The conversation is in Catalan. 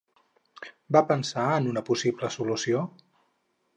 Va pensar en una possible solució?